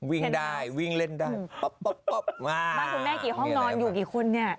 วิ่งได้วิ่งเล่นได้ป๊อบบ้านคุณแม่กี่ห้องนอนอยู่กี่คนเนี่ย